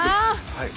はい。